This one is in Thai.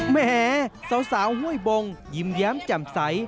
แหมสาวเว้ยบงยิ้มแย้มจำใส